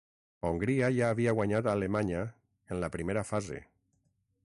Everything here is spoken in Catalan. Hongria ja havia guanyat a Alemanya en la primera fase.